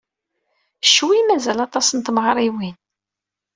Cwi mazal aṭas n tmeɣriwin